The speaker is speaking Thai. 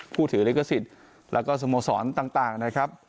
ผู้ถือลิขสิทธิ์แล้วก็สโมสรต่างนะครับ